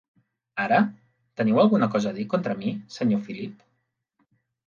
Ara, teniu alguna cosa a dir contra mi, senyor Philip.